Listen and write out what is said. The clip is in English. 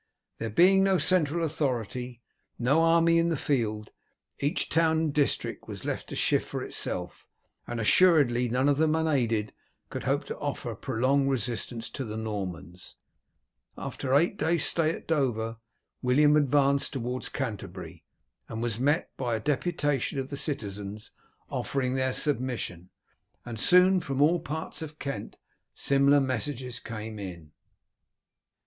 There being no central authority, no army in the field, each town and district was left to shift for itself; and assuredly none of them unaided could hope to offer prolonged resistance to the Normans. As, after eight days' stay at Dover, William advanced towards Canterbury, he was met by a deputation of the citizens offering their submission, and soon from all parts of Kent similar messages came in.